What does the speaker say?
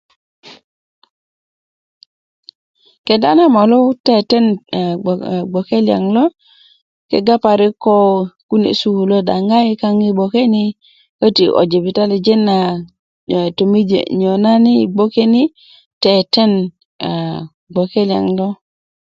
kenda na molu teten gboke liyaŋ lo kega parik ko kune sululuwöt a ŋayi kaŋ yi gboke ni ko jibitalijin na tomije nyonani yi gboke ni teten aa gboke liyaŋ lo